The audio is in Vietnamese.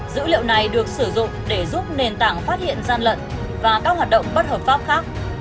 dữ liệu này được sử dụng để giúp nền tảng phát hiện gian lận và các hoạt động bất hợp pháp khác